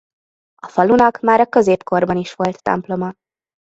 A falunak már a középkorban is volt temploma.